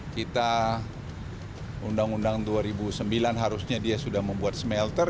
kita undang undang dua ribu sembilan harusnya dia sudah membuat smelter